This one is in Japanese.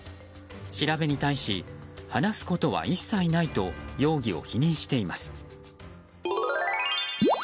調べに対し話すことは一切ないと容疑を否認しています。